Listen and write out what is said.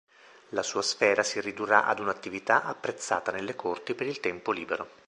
La sua sfera si ridurrà ad un'attività apprezzata nelle corti per il tempo libero.